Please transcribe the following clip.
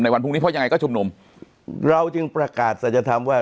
วันพรุ่งนี้เพราะยังไงก็ชุมนุมเราจึงประกาศศัลยธรรมว่า